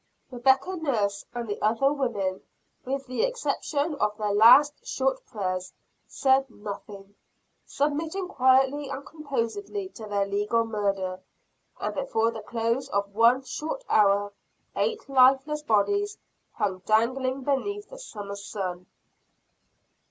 Rebecca Nurse and the other women, with the exception of their last short prayers, said nothing submitting quietly and composedly to their legal murder. And before the close of one short hour eight lifeless bodies hung dangling beneath the summer sun.